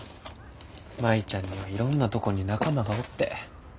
舞ちゃんにはいろんなとこに仲間がおって。